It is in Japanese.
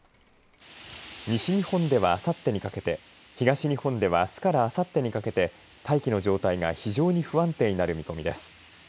西日本では、あさってにかけて東日本ではあすからあさってにかけて大気の状態が非常に不安定になる見込みです。